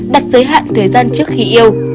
tám đặt giới hạn thời gian trước khi yêu